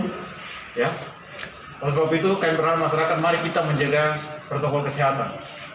oleh sebab itu kami berharap masyarakat mari kita menjaga protokol kesehatan